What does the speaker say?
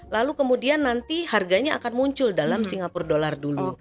lalu kemudian nanti harganya akan muncul dalam singapura dollar dulu